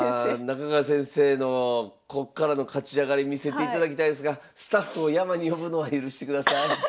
中川先生のこっからの勝ち上がり見せていただきたいですがスタッフを山に呼ぶのは許してください。